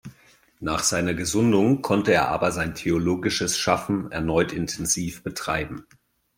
Nach seiner Gesundung konnte er aber sein theologisches Schaffen erneut intensiv betreiben.